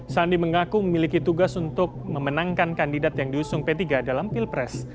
sandi mengaku memiliki tugas untuk memenangkan kandidat yang diusung p tiga dalam pilpres